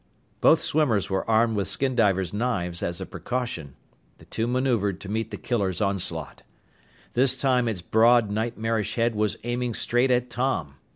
Both swimmers were armed with skin diver's knives as a precaution. The two maneuvered to meet the killer's onslaught. This time its broad nightmarish head was aiming straight at Tom.